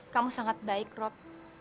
kamu sangat baik rob